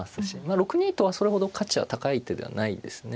６二とはそれほど価値は高い手ではないですね。